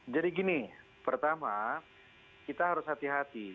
jadi gini pertama kita harus hati hati